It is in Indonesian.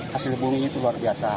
hasil buminya itu luar biasa